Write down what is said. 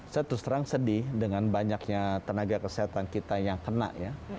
saya terus terang sedih dengan banyaknya tenaga kesehatan kita yang kena ya